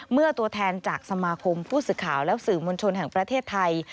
เมื่อตัวแทนจากสมาคมผู้สื่อข่าวและสื่อมวลชนแห่งประเทศไทย